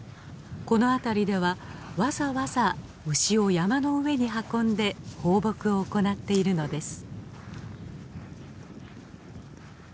この辺りではわざわざ牛を山の上に運んで放牧を行っているのです。